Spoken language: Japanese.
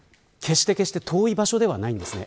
決して遠い場所ではないんですね。